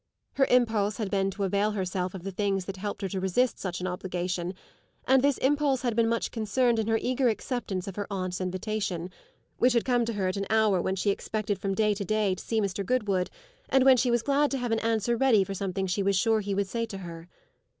Her impulse had been to avail herself of the things that helped her to resist such an obligation; and this impulse had been much concerned in her eager acceptance of her aunt's invitation, which had come to her at an hour when she expected from day to day to see Mr. Goodwood and when she was glad to have an answer ready for something she was sure he would say to her.